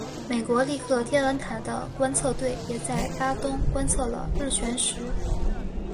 美国利克天文台的观测队也在巴东观测了日全食。